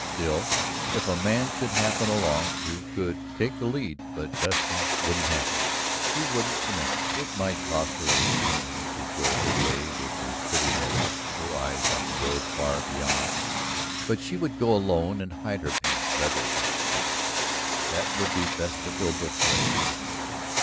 Still, if a man should happen along who could take the lead but Vesta wouldn't have him; she wouldn't surrender. It might cost her pain to go her way with her pretty head up, her eyes on the road far beyond, but she would go alone and hide her pain rather than surrender. That would be Vesta Philbrook's way.